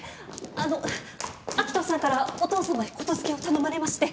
あの明人さんからお父さまへ言付けを頼まれまして。